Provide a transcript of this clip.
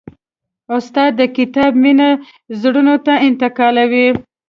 استاد د کتاب مینه زړونو ته انتقالوي.